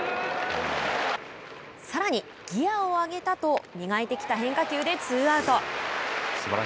さらにギアを上げたと磨いてきた変化球でツーアウト。